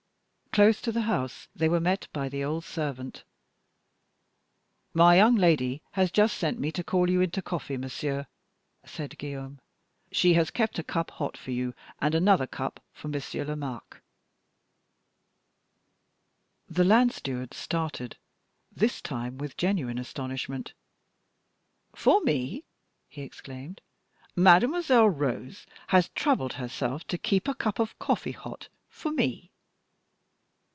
Close to the house they were met by the old servant. "My young lady has just sent me to call you in to coffee, monsieur," said Guillaume. "She has kept a cup hot for you, and another cup for Monsieur Lomaque." The land steward started this time with genuine astonishment. "For me!" he exclaimed. "Mademoiselle Rose has troubled herself to keep a cup of coffee hot for me?"